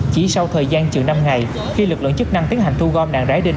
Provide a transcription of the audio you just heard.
chỉ sau thời gian chừng năm ngày khi lực lượng chức năng tiến hành thu gom nạn rải đinh